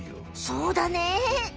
そうだね。